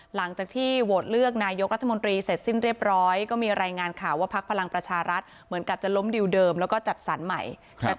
หลังจากที่โหวตเลือกนายกรัฐมนตรีเสร็จสิ้นเรียบร้อยก็มีรายงานข่าวว่าพักพลังประชารัฐเหมือนกับจะล้มดิวเดิมแล้วก็จัดสรรใหม่